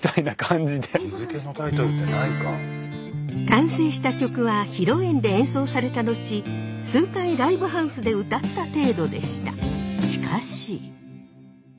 完成した曲は披露宴で演奏された後数回ライブハウスで歌った程度でした。